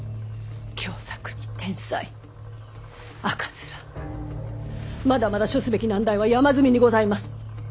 凶作に天災赤面まだまだ処すべき難題は山積みにございます。